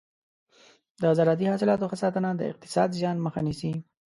د زراعتي حاصلاتو ښه ساتنه د اقتصادي زیان مخه نیسي.